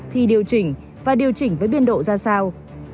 thì điều chỉnh và điều chỉnh với biên độ ra sao